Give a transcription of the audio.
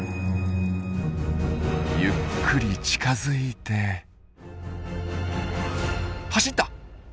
ゆっくり近づいて走った！